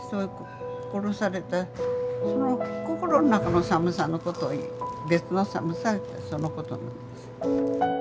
殺されたその心の中の寒さのことを「別の寒さ」ってそのことなんです。